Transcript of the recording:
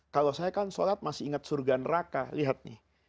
kalau saya kan sholat masih ingat surga neraka lihat nih